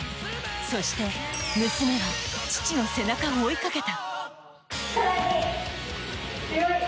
そして、娘は父の背中を追いかけた。